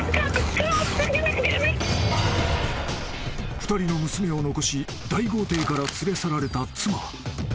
［２人の娘を残し大豪邸から連れ去られた妻］